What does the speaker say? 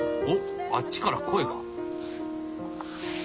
おっあっちから声が。